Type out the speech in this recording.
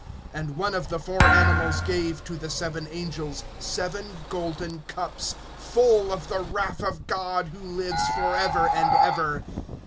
(7)And one of the four animals gave to the seven angels seven golden cups, full of the wrath of God, who lives forever and ever.